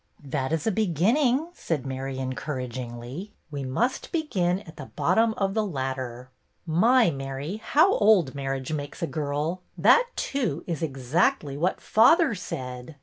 '' That is a beginning," said Mary, encourag ingly. ''We must begin at the bottom of the ladder." " My, Mary, how old marriage makes a girl 1 That, too, is exactly what father said."